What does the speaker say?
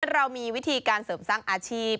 เรามีวิธีการเสริมสร้างอาชีพ